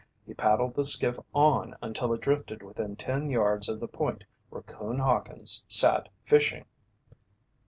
He paddled the skiff on until it drifted within ten yards of the point where Coon Hawkins sat fishing.